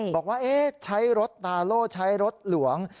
บอกว่าใช้รถตาโล่ใช้รถหลวง